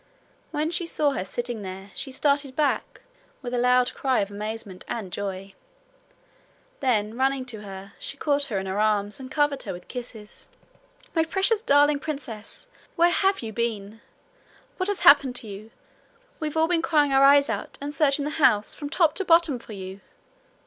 When she saw her sitting there she started back with a loud cry of amazement and joy. Then running to her, she caught her in her arms and covered her with kisses. 'My precious darling princess! where have you been? What has happened to you? We've all been crying our eyes out, and searching the house from top to bottom for you.'